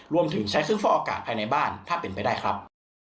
รวมถึงใช้เครื่องฟอกอากาศภายในบ้านถ้าเป็นไปได้ครับ